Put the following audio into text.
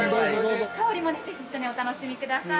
香りもぜひ一緒にお楽しみください。